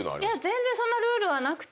全然そんなルールはなくて。